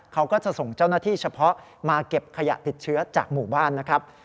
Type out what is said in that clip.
เขาก็จะส่งเจ้าหน้าที่เฉพาะมาเก็บขยะติดเชื้อจากหมู่บ้านนะครับ